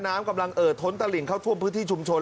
น้ำกำลังเอ่อท้นตะหลิงเข้าท่วมพื้นที่ชุมชน